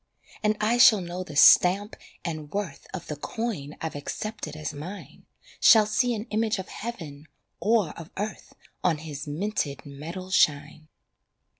And I shall know the stamp and worth Of the coin I've accepted as mine, Shall see an image of heaven or of earth On his minted metal shine.